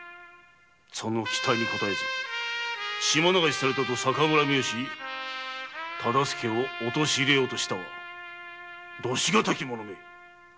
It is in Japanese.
その期待に応えず島流しされたと逆恨みをし忠相を陥れようとしたとは度し難き者め！